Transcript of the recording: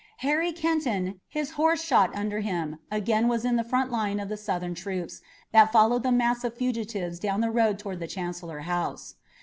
Harry Kenton, his horse shot under him, again was in the front line of the Southern troops that followed the mass of fugitives down the road toward the Chancellor House.